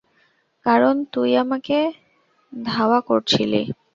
কারন তুই আমাকে ধাওয়া করছিলি।